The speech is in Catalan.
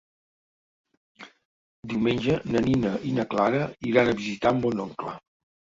Diumenge na Nina i na Clara iran a visitar mon oncle.